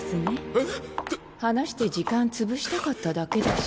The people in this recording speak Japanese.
えっ⁉話して時間潰したかっただけだし。